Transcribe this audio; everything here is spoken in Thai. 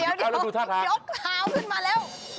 เดี๋ยวลองเดี๋ยวลองอยุกท้าวขึ้นมาแล้วดูท่าท้าย